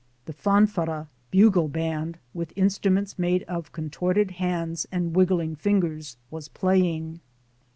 The "fanfara" bugle band with instruments made of contorted hands and wiggling fingers, was playing.